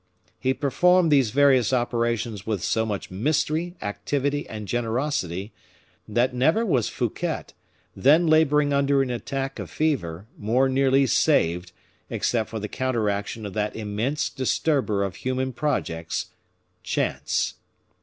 He performed these various operations with so much mystery, activity, and generosity, that never was Fouquet, then laboring under an attack of fever, more nearly saved, except for the counteraction of that immense disturber of human projects, chance.